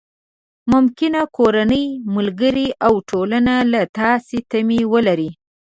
ممکن کورنۍ، ملګري او ټولنه له تاسې تمې ولري.